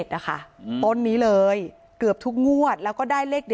ชั่วโมงตอนพบศพ